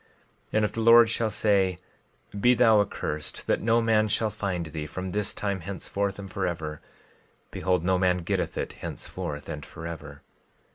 12:19 And if the Lord shall say—Be thou accursed, that no man shall find thee from this time henceforth and forever—behold, no man getteth it henceforth and forever.